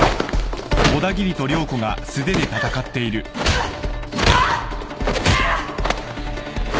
うっ！